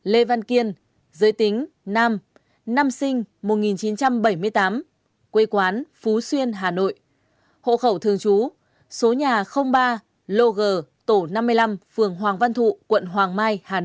lê văn kiên giới tính nam năm sinh một nghìn chín trăm bảy mươi tám quê quán phú xuyên hà nội hộ khẩu thường chú số ba lô g tổ năm mươi năm phường lĩnh nam